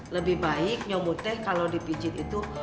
lebih baik nyomote kalau dipijit itu